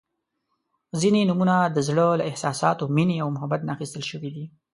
• ځینې نومونه د زړۀ له احساساتو، مینې او محبت نه اخیستل شوي دي.